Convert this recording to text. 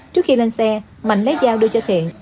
trước khi lên xe mạnh lấy dao đưa cho thiện